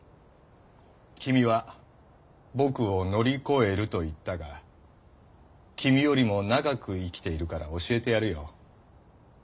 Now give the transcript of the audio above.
君は僕を乗り越えると言ったが君よりも長く生きているから教えてやるよ。